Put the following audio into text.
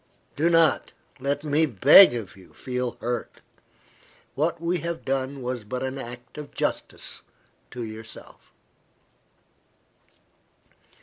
Do not, let me beg of you, feel hurt. What we have done was but an act of justice to yourself."